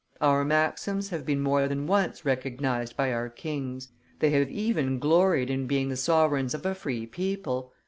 Our maxims have been more than once recognized by our kings; they have even gloried in being the sovereigns of a free people.